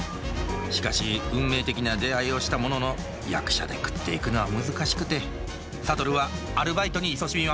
しかし運命的な出会いをしたものの役者で食っていくのは難しくて諭はアルバイトにいそしみます